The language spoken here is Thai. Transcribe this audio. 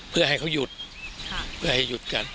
เพื่อให้เขาหยุดเพื่อให้หยุดกัน